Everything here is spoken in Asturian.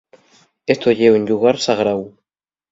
Esto ye un llugar sagráu.